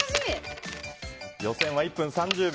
予選は１分３０秒。